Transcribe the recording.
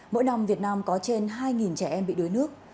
mỗi năm việt nam có trên hai trẻ em bị đuối nước